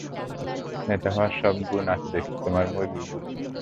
নেতা হওয়ার সব গুন আছে দেখছি, তোমার মুরগিগুলার।